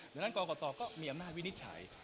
ดังนั้นกรกตก็มีอำนาจวินิจฉัย